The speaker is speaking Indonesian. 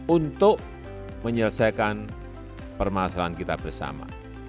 untuk menyelesaikan permasalahan kita bersama